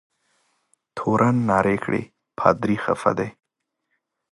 تورن نارې کړې پادري خفه دی.